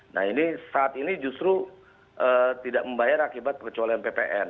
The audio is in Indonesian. nah ini saat ini justru tidak membayar akibat perkecualian ppn